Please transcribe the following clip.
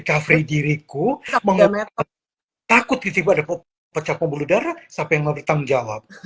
kefer diriku menggunakan takut tiba tiba pecah pembuluh darah sampai ngertam jawab